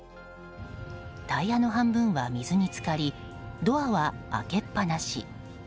タイヤの半分は水に浸かりドアは開けっ放し。